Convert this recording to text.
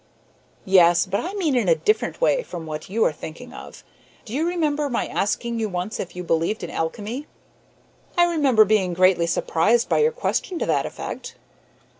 "Yes, but I mean in a different way from what you are thinking of. Do you remember my asking you once if you believed in alchemy?" "I remember being greatly surprised by your question to that effect."